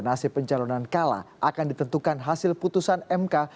nasib pencalonan kala akan ditentukan hasil putusan mk